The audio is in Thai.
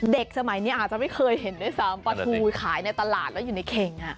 สมัยนี้อาจจะไม่เคยเห็นด้วยซ้ำปลาทูขายในตลาดแล้วอยู่ในเข่ง